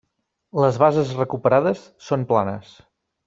Les bases recuperades són planes.